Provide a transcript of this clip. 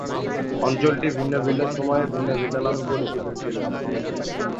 অঞ্চলটি ভিন্ন ভিন্ন সময়ে ভিন্ন ভিন্ন নামে পরিচিত ছিল।